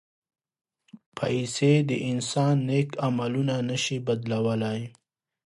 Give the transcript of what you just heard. پېسې د انسان نیک عملونه نه شي بدلولی.